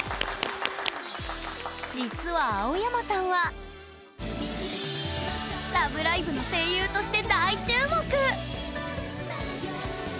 実は青山さんは「ラブライブ！」の声優として大注目！